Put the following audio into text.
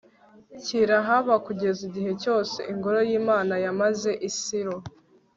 kirahaba kugeza igihe cyose ingoro y'imana yamaze i silo